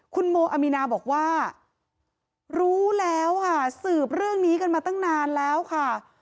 คุณโมอามีนาบอกว่ารู้แล้วค่ะสืบเรื่องนี้กันมาตั้งนานแล้วค่ะ